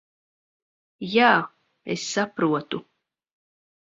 Jā, es saprotu.